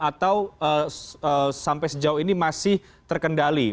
atau sampai sejauh ini masih terkendali